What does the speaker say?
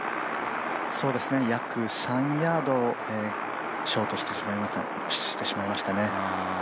約３ヤードショートしてしまいましたね。